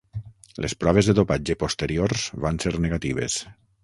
Les proves de dopatge posteriors van ser negatives.